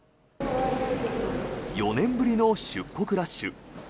４年ぶりの出国ラッシュ。